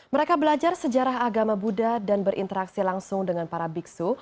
mereka belajar sejarah agama buddha dan berinteraksi langsung dengan para biksu